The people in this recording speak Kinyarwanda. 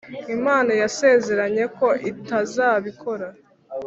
Imana yasezeranye ko itazabikora